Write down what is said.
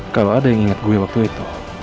kalau ada yang ingat gue waktu itu